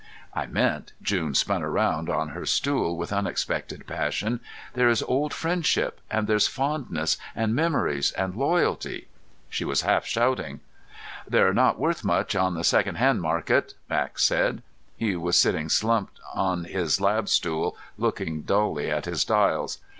"I meant," June spun around on her stool with unexpected passion, "there is old friendship, and there's fondness, and memories, and loyalty!" She was half shouting. "They're not worth much on the second hand market," Max said. He was sitting slumped on his lab stool, looking dully at his dials.